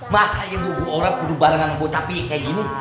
masa aja bubu orang budu bareng anak anak bocapi kayak gini